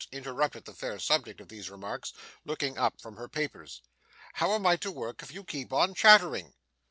interrupted the fair subject of these remarks, looking up from her papers. 'How am I to work if you keep on chattering?